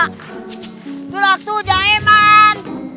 gelak tuh jaiman